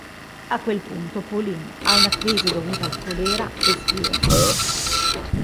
A quel punto, Pauline ha una crisi dovuta al colera e sviene.